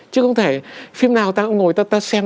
chứ không thể phim nào ta ngồi ta xem